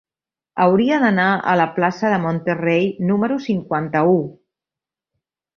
Hauria d'anar a la plaça de Monterrey número cinquanta-u.